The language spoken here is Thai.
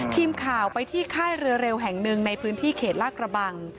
ทีมข่าวไปที่ค่ายเรือเร็วแห่งหนึ่งในพื้นที่เขตลาดกระบัง